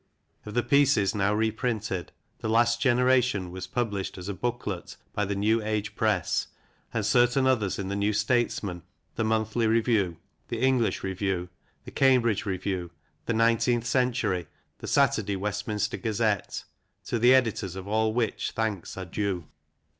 Of the pieces now reprinted a The Last Generation " was published as a booklet by the New Age Press, and certain others in the " New Statesman," the " Monthly Review," the " English Review," the " Cam bridge Review," the " Nineteenth Century," the " Saturday Westminster Gazette," to the editors of all of which thanks are due.